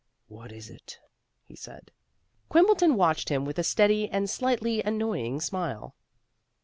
"What is it?" he said. Quimbleton watched him with a steady and slightly annoying smile.